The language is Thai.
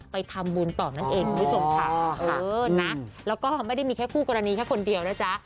ไปทำบุญต่อนั่นเองด้วยสมภัณฑ์แล้วก็ไม่ได้มีแค่คู่กรณีแค่คนเดียวนะจ๊ะ